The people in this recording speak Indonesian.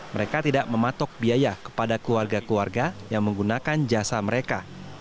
mereka tidak mematok biaya kepada keluarga keluarga yang menggunakan jasa mereka